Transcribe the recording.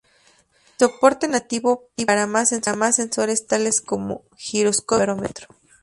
Y Soporte nativo para más sensores tales como giroscopio y barómetro.